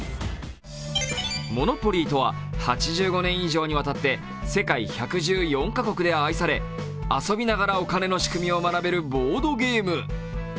モノポリーとは８５年以上にわたって世界１１４か国で愛され遊びながらお金の仕組みを学べるボードゲーム。